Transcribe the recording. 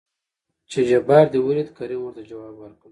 چې جبار دې ولېد؟ کريم ورته ځواب ورکړ.